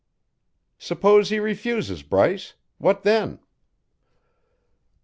"Suppose he refuses, Bryce. What then?"